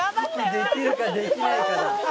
息できるかできないかだ。